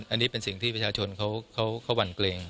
อันนี้เป็นสิ่งที่ประชาชนเขาหวั่นเกรง